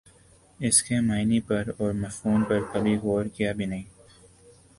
اسکے معانی پر اور مفہوم پر کبھی غورکیا بھی نہیں